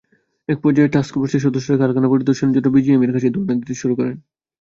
একপর্যায়ে টাস্কফোর্সের সদস্যরা কারখানা পরিদর্শনের জন্য বিজিএমইএর কাছে ধরনা দিতে শুরু করেন।